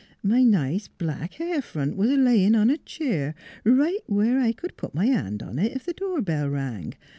My nice black hair front was a layin' on a cheer, right where I c'd put m' hand on it ef the door bell rang.